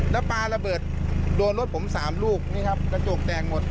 แล้วปลาระเบิดโดนรถผม๓ลูกนี่ครับกระจกแตกหมด